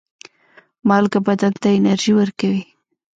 مالګه بدن ته انرژي ورکوي.